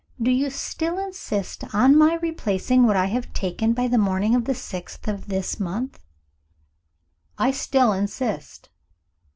Do you still insist on my replacing what I have taken, by the morning of the sixth of this month?" "I still insist."